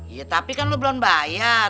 iya tapi kan lo belum bayar